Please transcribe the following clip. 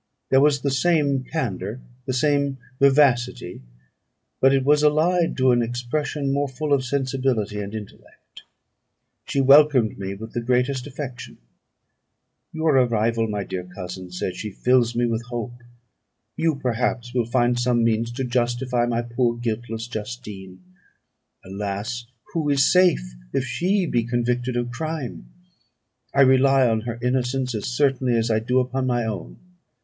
There was the same candour, the same vivacity, but it was allied to an expression more full of sensibility and intellect. She welcomed me with the greatest affection. "Your arrival, my dear cousin," said she, "fills me with hope. You perhaps will find some means to justify my poor guiltless Justine. Alas! who is safe, if she be convicted of crime? I rely on her innocence as certainly as I do upon my own.